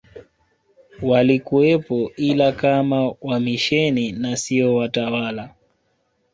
walikuwepo ila kama wamisheni na sio watawala